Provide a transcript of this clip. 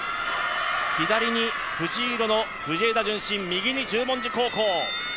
左に藤色の藤枝順心、右に十文字高校。